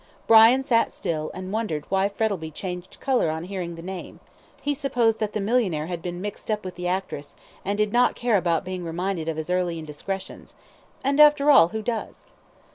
Brian sat still, and wondered why Frettlby changed colour on hearing the name he supposed that the millionaire had been mixed up with the actress, and did not care about being reminded of his early indiscretions and, after all, who does?